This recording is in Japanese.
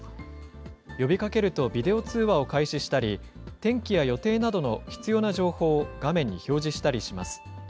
呼びかけると、ビデオ通話を開始したり、天気や予定などの必要な情報を画面に表示したりします。